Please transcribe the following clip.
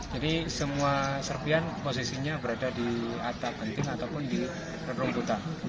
jadi semua serpian posisinya berada di atas penting ataupun di terung kota